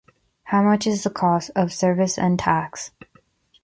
How much is the cost of service and tax?